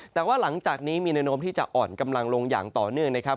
แต่ว่าหลังจากนี้มีแนวโน้มที่จะอ่อนกำลังลงอย่างต่อเนื่องนะครับ